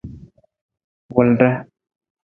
Wulda.